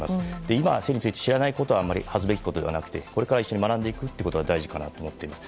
今、生理について知らないことはあまり恥ずべきことではなくてこれから一緒に学んでいくことが大事かなと思います。